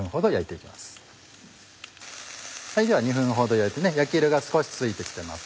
では２分ほど焼いて焼き色が少しついてきてます。